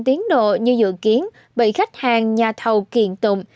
tiến độ như dự kiến bị khách hàng nhà thầu kiện tụng